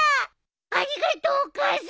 ありがとうお母さん。